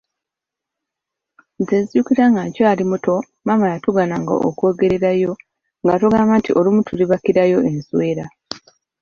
Nze nzijukira nga nkyali muto maama yatugaananga okwogererayo nga atugamba nti olumu tulibakirayo enswera.